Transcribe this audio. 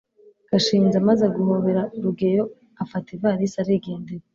gashinzi amaze guhobera rugeyo, afata ivalisi arigendera